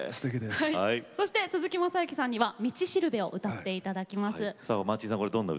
鈴木雅之さんには「道導」を歌っていただきます。